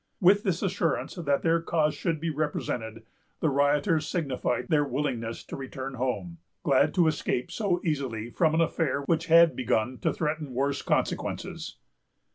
With this assurance that their cause should be represented, the rioters signified their willingness to return home, glad to escape so easily from an affair which had begun to threaten worse consequences.